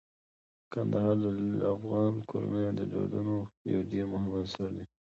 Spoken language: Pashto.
کندهار د افغان کورنیو د دودونو یو ډیر مهم عنصر دی.